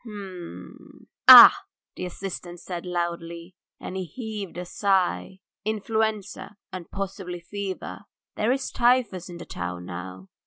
"H m ... Ah! ..." the assistant said slowly, and he heaved a sigh. "Influenza and possibly fever. There's typhus in the town now.